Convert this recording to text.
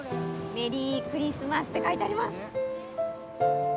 メリークリスマスって書いてあります。